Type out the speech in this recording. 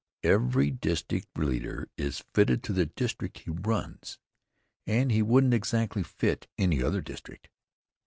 Every district leader is fitted to the district he runs and he wouldn't exactly fit any other district.